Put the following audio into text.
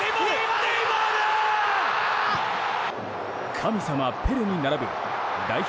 神様ペレに並ぶ代表